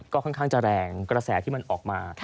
ก็ค่อนข้างจะแรงกระแสที่มันออกมา